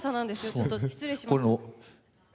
ちょっと失礼します。